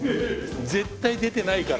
絶対出てないから。